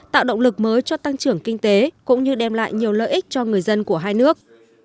tạo động lực mới cho tăng trưởng kinh tế cũng như đem lại nhiều lợi ích cho người dân của hai nước